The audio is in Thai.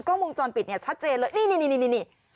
กล้องวงจรปิดเนี่ยชัดเจนเลยนี่